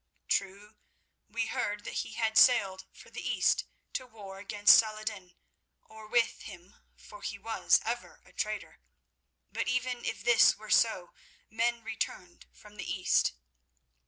True, we heard that he had sailed for the East to war against Saladin—or with him, for he was ever a traitor—but even if this were so, men return from the East.